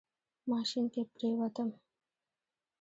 ماشين کې پرېوتم.